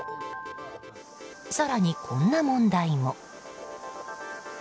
更に、こんな問題も。